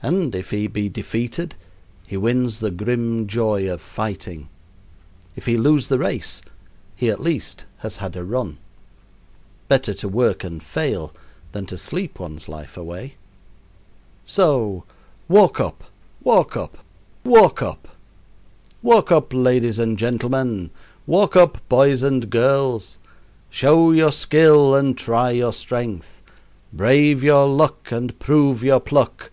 And if he be defeated he wins the grim joy of fighting; if he lose the race, he, at least, has had a run. Better to work and fail than to sleep one's life away. So, walk up, walk up, walk up. Walk up, ladies and gentlemen! walk up, boys and girls! Show your skill and try your strength; brave your luck and prove your pluck.